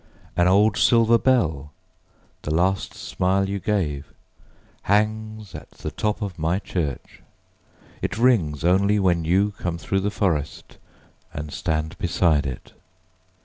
An old silver bell, the last smile you gave, Hangs at the top of my church.It rings only when you come through the forestAnd stand beside it.